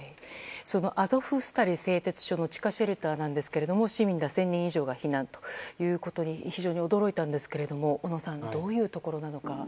アゾフスタリ製鉄所の地下シェルターなんですが市民ら１０００人以上が避難ということに非常に驚いたんですけども小野さん、どういうところなのか。